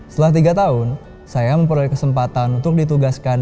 setelah tiga tahun saya memperoleh kesempatan untuk ditugaskan